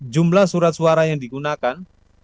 jumlah surat suara yang digunakan